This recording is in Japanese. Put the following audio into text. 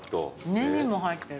ネギも入ってる？